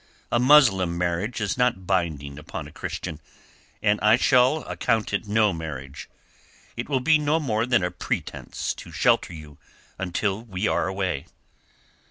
A Muslim marriage is not binding upon a Christian, and I shall account it no marriage. It will be no more than a pretence to shelter you until we are away."